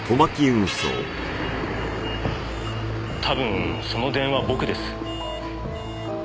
多分その電話僕です。